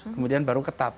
kemudian baru ketat